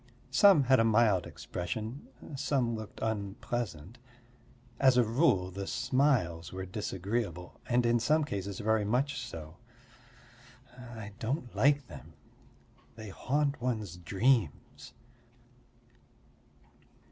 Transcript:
Some had a mild expression, some looked unpleasant. As a rule the smiles were disagreeable, and in some cases very much so. I don't like them; they haunt one's dreams.